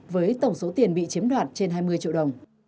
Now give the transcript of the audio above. với tổng số tiền bị chiếm đoạt trên hai mươi triệu đồng